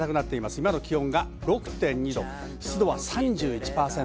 今の気温６．２度、湿度は３１％。